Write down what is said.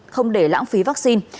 không để lãng phí vaccine